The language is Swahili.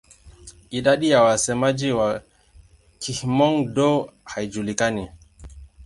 Idadi ya wasemaji wa Kihmong-Dô haijulikani.